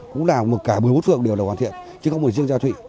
cũng là cả một mươi bốn phường đều đã hoàn thiện chứ không phải riêng gia thụy